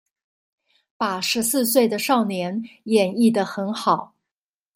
把十四歲的少年演繹的很好